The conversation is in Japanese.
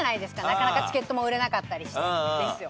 なかなかチケットも売れなかったりして。